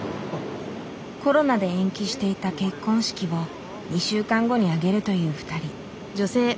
コロナで延期していた結婚式を２週間後に挙げるという２人。